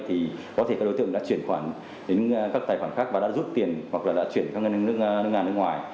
thì có thể các đối tượng đã chuyển khoản đến các tài khoản khác và đã rút tiền hoặc là đã chuyển qua ngân hàng nước ngoài